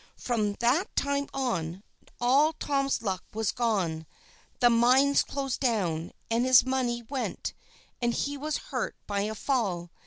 From that time on, all Tom's luck was gone. The mines closed down, and his money went, and he was hurt by a fall.